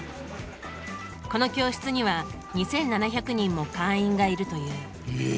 この教室には２，７００人も会員がいるという。えっ。